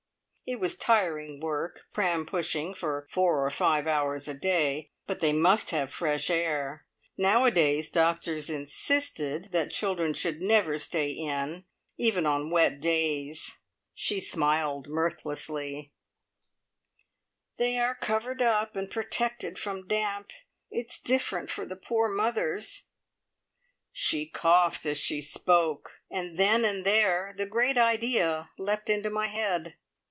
It was tiring work, pram pushing for four or five hours a day, but they must have fresh air. Nowadays doctors insisted that children should never stay in, even on wet days. She smiled mirthlessly. "They are covered up and protected from damp. It's different for the poor mothers!" She coughed as she spoke, and then and there the great idea leapt into my head.